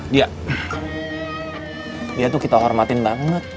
dia ya tuh kita hormatin banget